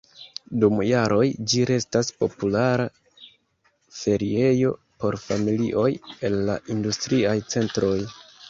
Dum jaroj ĝi restas populara feriejo por familioj el la industriaj centroj.